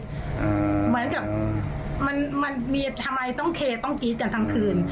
เหมือนกับมันมันมีทำไมต้องเคต้องกรี๊ดกันทั้งคืน